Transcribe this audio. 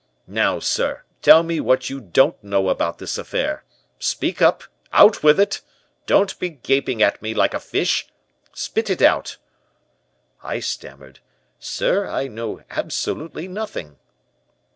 Now, sir, tell me what you don't know about this affair. Speak up, out with it. Don't be gaping at me like a fish. Spit it out.' "I stammered, 'Sir, I know absolutely nothing.'